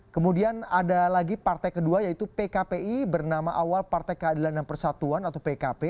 kemudian ada lagi partai kedua yaitu pkpi bernama awal partai keadilan dan persatuan atau pkp